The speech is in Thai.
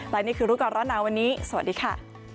และนี่คือรู้ก่อนร้อนหนาวันนี้สวัสดีค่ะ